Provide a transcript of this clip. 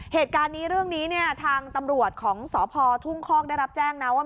เหตุการณ์นี้เรื่องนี้เนี่ยทางตำรวจของสพทุ่งคอกได้รับแจ้งนะว่า